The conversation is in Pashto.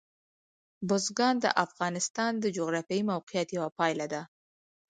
بزګان د افغانستان د جغرافیایي موقیعت یوه پایله ده.